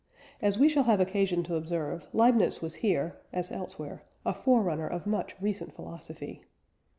As we shall have occasion to observe, Leibniz was here (as elsewhere) a forerunner of much recent philosophy.